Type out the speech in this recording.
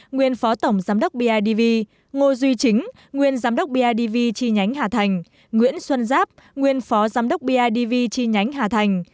nguyên phó tổng giám đốc bidv ngô duy chính nguyên giám đốc bidv chi nhánh hà thành nguyễn xuân giáp nguyên phó giám đốc bidv chi nhánh hà thành